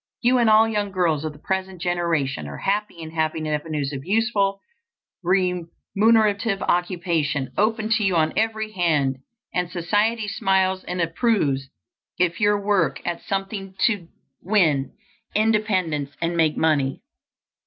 You and all young girls of the present generation are happy in having avenues of useful remunerative occupation open to you on every hand, and society smiles and approves if you work at something to win independence and make money.